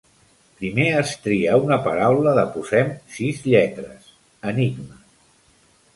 Primer es tria una paraula de, posem, sis lletres: enigma.